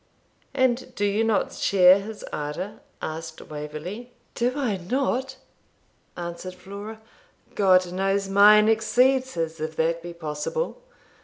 'And do you not share his ardour?' asked Waverley, 'Do I not?' answered Flora. 'God knows mine exceeds his, if that be possible.